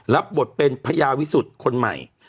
รับบทเป็นพญาวิสุทธิ์คนใหม่